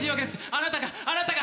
あなたがあなたが！